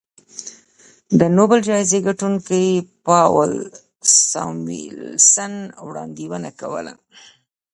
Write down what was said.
د نوبل جایزې ګټونکي پاول ساموېلسن وړاندوینه کوله